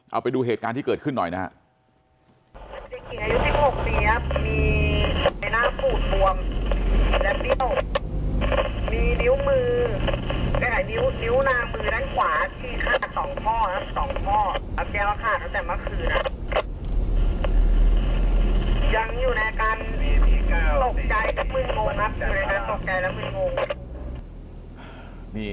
เอาไปดูเหตุการณ์ที่เกิดขึ้นหน่อยนะครับ